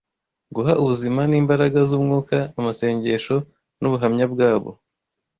guha ubuzima n’imbaraga z’umwuka amasengesho n’ubuhamya bwabo.